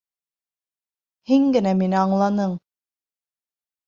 Һин генә мине аңланың!